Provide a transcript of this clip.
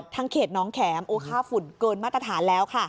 เขตน้องแขมโอ้ค่าฝุ่นเกินมาตรฐานแล้วค่ะ